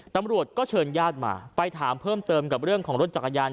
ตำรวจก็เชิญญาติมาไปถามเพิ่มเติมกับเรื่องของรถจักรยาน